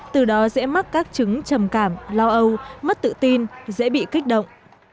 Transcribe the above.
từ đó dễ mắc các chứng trầm cảm lo âu mất tự tin dễ bị kích động